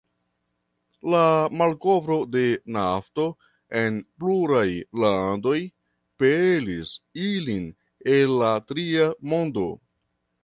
La malkovro de nafto en pluraj landoj pelis ilin el la Tria Mondo.